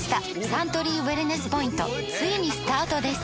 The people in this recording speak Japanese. サントリーウエルネスポイントついにスタートです！